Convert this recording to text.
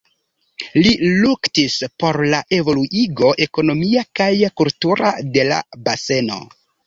Li luktis por la evoluigo ekonomia kaj kultura de la baseno.